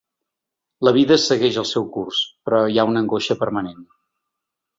La vida segueix el seu curs, però hi ha una angoixa permanent.